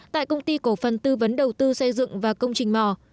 tại công ty cổ phần tư vấn đầu tư xây dựng và công trình mò